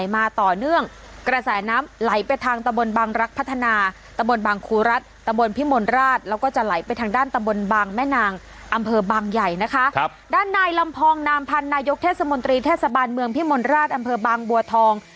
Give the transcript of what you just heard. อำเผอบางใหญ่นะคะครับด้านนายลำพองนามพันธ์นายกเทศมนตรีเทศบาลเมืองพิมลราชอำเผอบางบัวทอง